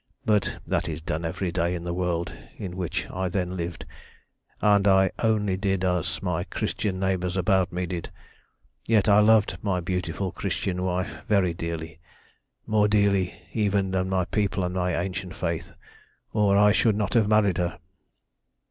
But that is done every day in the world in which I then lived, and I only did as my Christian neighbours about me did. Yet I loved my beautiful Christian wife very dearly, more dearly even than my people and my ancient faith, or I should not have married her.